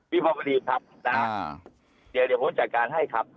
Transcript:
พี่พ่อบริมครับเดี๋ยวผมจัดการให้ครับ